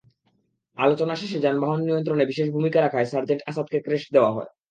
আলোচনা শেষে যানবাহন নিয়ন্ত্রণে বিশেষ ভূমিকা রাখায় সার্জেন্ট আসাদকে ক্রেস্ট দেওয়া হয়।